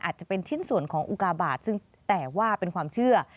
อาจจะเป็นชิ้นส่วนของอุกาบาทซึ่งแต่ว่าเป็นความเชื่อ